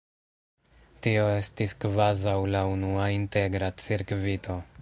Tio estis kvazaŭ la unua integra cirkvito.